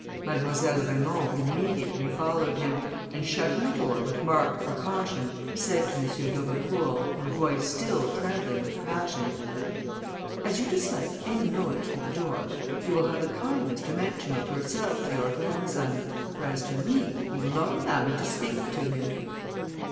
Mademoiselle Raymond immediately followed him, and shutting the door with marked precaution, said to M. d'Aubecourt, in a voice still trembling with passion, "As you dislike any noise with the door, you will have the kindness to mention it yourself to your grandson; for, as to me, he will not allow me to speak to him."